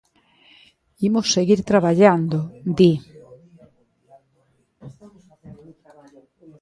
Imos seguir traballando, di.